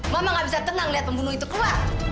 mama gak bisa tenang lihat pembunuh itu keluar